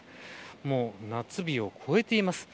もう夏日を超えています。